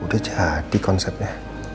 udah jadi konsepnya